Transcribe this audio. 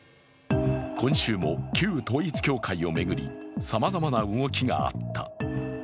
今週も旧統一教会を巡りさまざまな動きがあった。